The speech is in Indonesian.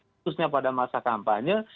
khususnya pada masa kampanye